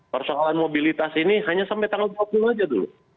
persoalan mobilitas ini hanya sampai tanggal dua puluh saja dulu